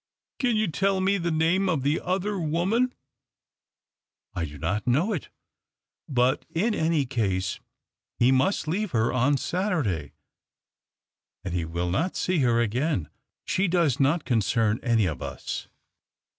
" Can you tell me the name of the other woman ?" "I do not know it. But in any case he must leave her on Saturday, and he will not see her again. She does not concern any of us."